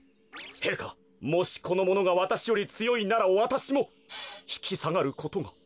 へいかもしこのものがわたしよりつよいならわたしもひきさがることが。